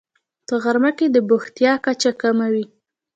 په غرمه کې د بوختیا کچه کمه وي